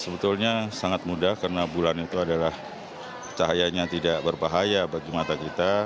sebetulnya sangat mudah karena bulan itu adalah cahayanya tidak berbahaya bagi mata kita